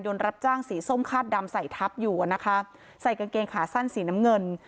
รับจ้างสีส้มคาดดำใส่ทับอยู่อ่ะนะคะใส่กางเกงขาสั้นสีน้ำเงิน